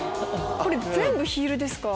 全部ヒールですか？